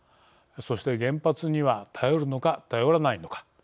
そして原発には頼るのか頼らないのか。